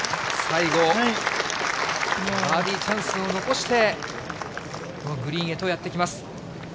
最後、バーディーチャンスを残して、このグリーンへとやって来ます。